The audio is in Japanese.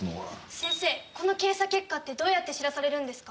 先生この検査結果ってどうやって知らされるんですか？